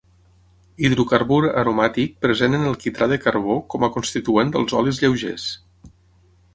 Hidrocarbur aromàtic present en el quitrà de carbó com a constituent dels olis lleugers.